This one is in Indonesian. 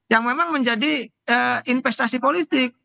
yang memang menjadi investasi politik